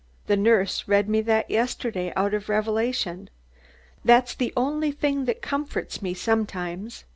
The nurse read me that yesterday out of Revelation. That's the only thing that comforts me sometimes."